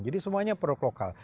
jadi semuanya produk lokal